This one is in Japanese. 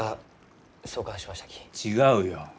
違うよ。